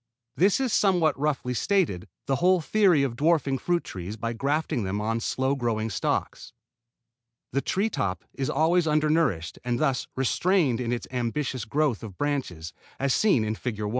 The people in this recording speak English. This is, somewhat roughly stated, the whole theory of dwarfing fruit trees by grafting them on slow growing stocks. The tree top is always under nourished and thus restrained in its ambitious growth of branches, as seen in Fig. 1.